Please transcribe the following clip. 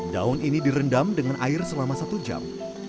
daun ini direndam dengan air selama satu jam